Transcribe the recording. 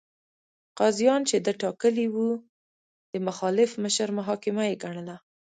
قاضیان چې ده ټاکلي وو، د مخالف مشر محاکمه یې ګڼله.